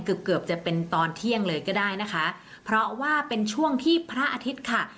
เกือบเกือบจะเป็นตอนเที่ยงเลยก็ได้นะคะเพราะว่าเป็นช่วงที่พระอาทิตย์ค่ะ